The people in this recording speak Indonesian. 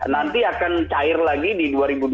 nanti akan cair lagi di dua ribu dua puluh